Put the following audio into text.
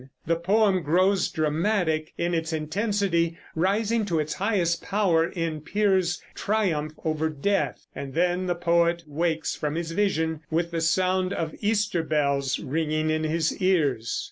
The poem grows dramatic in its intensity, rising to its highest power in Piers's triumph over Death. And then the poet wakes from his vision with the sound of Easter bells ringing in his ears.